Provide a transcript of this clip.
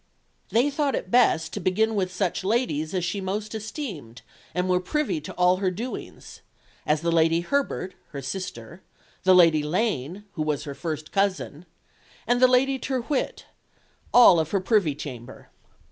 "They thought it best to begin with such ladies as she most esteemed and were privy to all her doings as the Lady Herbert, her sister, the Lady Lane, who was her first cousin, and the Lady Tyrwhitt, all of her privy chamber."